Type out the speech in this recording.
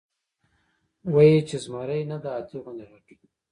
وې ئې چې زمرے نۀ د هاتي غوندې غټ وي ،